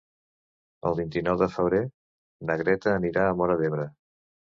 El vint-i-nou de febrer na Greta anirà a Móra d'Ebre.